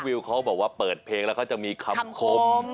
วิวเขาบอกว่าเปิดเพลงแล้วเขาจะมีคำคม